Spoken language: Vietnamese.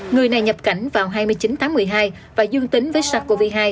người này nhập cảnh vào hai mươi chín tháng một mươi hai và dương tính với sars cov hai